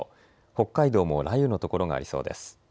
北海道も雷雨の所がありそうです。